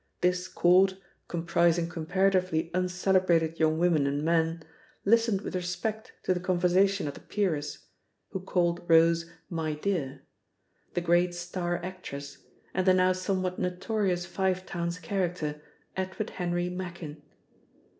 This court, comprising comparatively uncelebrated young women and men, listened with respect to the conversation of the peeress (who called Rose "my dear"), the great star actress, and the now somewhat notorious Five Towns character, Edward Henry Machin.